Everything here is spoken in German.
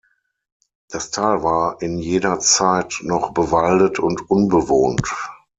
Das Tal war in jener Zeit noch bewaldet und unbewohnt.